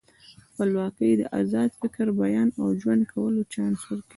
خپلواکي د ازاد فکر، بیان او ژوند کولو چانس ورکوي.